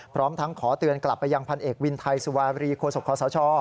พร้อมทั้งขอเตือนกลับไปยังพันเอกวินไทยสุวารีโคศกคอสช